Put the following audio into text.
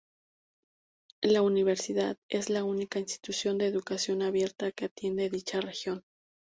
La universidad es la única institución de educación abierta que atiende dicha región.